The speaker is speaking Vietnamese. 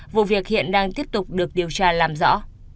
vụ việc hiện đang tiếp tục được điều tra làm rõ